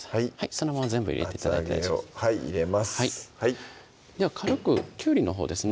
そのまま全部入れて頂いて厚揚げを入れますでは軽くきゅうりのほうですね